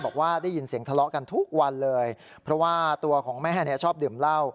บอกว่าได้ยินเสียงทะเลาะกันทุกวันเลยเพราะว่าตัวของแม่เนี่ยชอบดื่มเหล้า